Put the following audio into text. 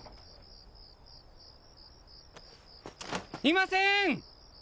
いませーん！